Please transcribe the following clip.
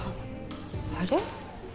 あれ？